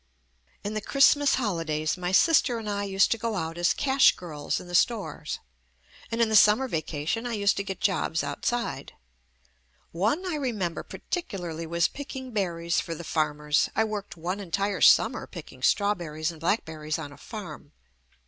In the Christmas holidays, my sister and I used to go out as cash girls in the stores, and in the summer vacation I used to get jobs out side. One I remember particularly was pick ing berries for the farmers. I worked one en tire summer picking strawberries and black berries on a farm.